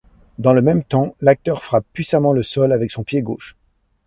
Dans le même temps, l'acteur frappe puissamment le sol avec son pied gauche.